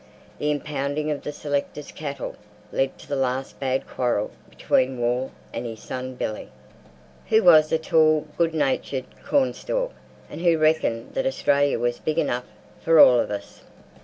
The impounding of the selector's cattle led to the last bad quarrel between Wall and his son Billy, who was a tall, good natured Cornstalk, and who reckoned that Australia was big enough for all of us.